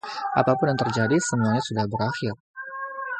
Apapun yang terjadi, semuanya sudah berakhir.